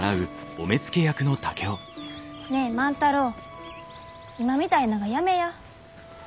ねえ万太郎今みたいながやめや。